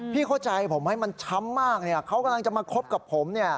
พี่เข้าใจผมว่ามันช้ำมากเนี่ยเขากำลังจะมาคบกับผม